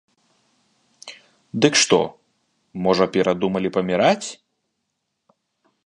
Дык што, можа, перадумалі паміраць?